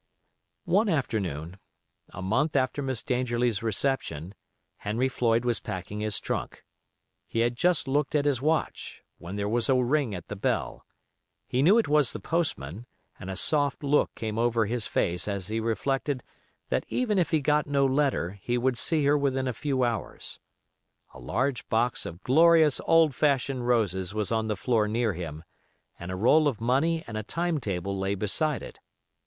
One afternoon, a month after Miss Dangerlie's reception, Henry Floyd was packing his trunk. He had just looked at his watch, when there was a ring at the bell. He knew it was the postman, and a soft look came over his face as he reflected that even if he got no letter he would see her within a few hours. A large box of glorious old fashioned roses was on the floor near him, and a roll of money and a time table lay beside it.